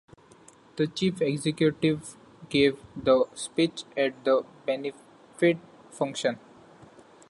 The chief executive gave the speech at the benefit function.